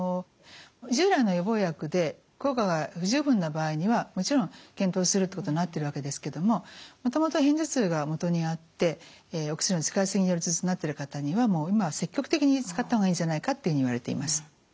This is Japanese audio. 従来の予防薬で効果が不十分な場合にはもちろん検討するってことになってるわけですけどももともと片頭痛がもとになってお薬の使いすぎによる頭痛になってる方にはもう今は積極的に使った方がいいんじゃないかっていうふうに言われています。